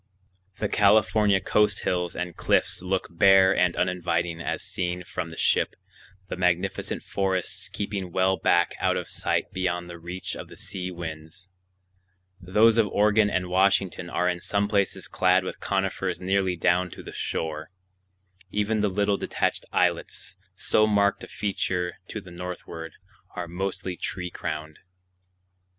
The California coast hills and cliffs look bare and uninviting as seen from the ship, the magnificent forests keeping well back out of sight beyond the reach of the sea winds; those of Oregon and Washington are in some places clad with conifers nearly down to the shore; even the little detached islets, so marked a feature to the northward, are mostly tree crowned.